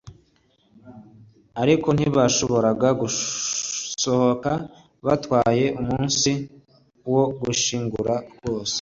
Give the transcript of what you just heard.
Ariko ntibashoboraga gusohoka batwaye umunsi wo gushyingura rwose